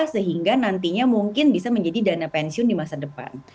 sehingga nantinya mungkin bisa menjadi dana pensiun di masa depan